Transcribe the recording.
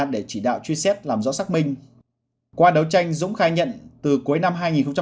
để chỉ đạo truy xét làm rõ xác minh qua đấu tranh dũng khai nhận từ cuối năm hai nghìn một mươi tám